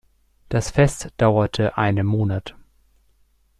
Das Fest dauerte einen Monat.